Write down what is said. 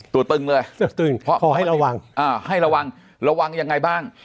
ตึงเลยตัวตึงเพราะขอให้ระวังอ่าให้ระวังระวังยังไงบ้าง